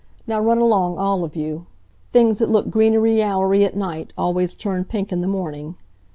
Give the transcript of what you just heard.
Now run along, all of you. Things that look greenery yallery at night always turn pink in the morning.